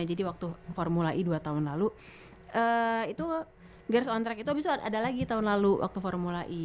jadi waktu formula e dua tahun lalu itu girls on track itu abis itu ada lagi tahun lalu waktu formula e